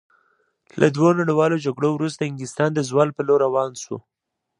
له دوو نړیوالو جګړو وروسته انګلستان د زوال په لور روان شو.